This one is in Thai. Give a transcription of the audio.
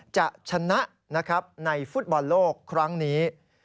จะชนะในฟุตบอลโลกครั้งนี้